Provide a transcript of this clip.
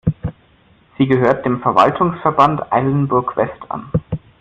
Sie gehört dem Verwaltungsverband Eilenburg-West an.